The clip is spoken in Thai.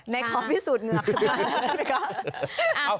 ในท้อทพี่สุดเหงือกครับทุกครับ